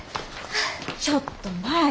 ちょっと舞。